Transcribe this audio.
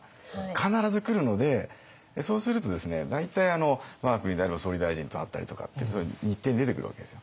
必ず来るのでそうするとですね大体我が国であれば総理大臣と会ったりとかって日程に出てくるわけですよ。